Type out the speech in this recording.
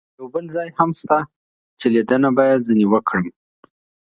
یو بل ځای هم شته چې لیدنه باید ځنې وکړم.